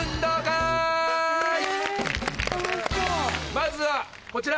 まずはこちら。